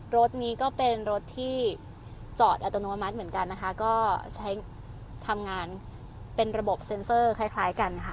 รถนี้ก็เป็นรถที่จอดอัตโนมัติเหมือนกันนะคะก็ใช้ทำงานเป็นระบบเซ็นเซอร์คล้ายกันค่ะ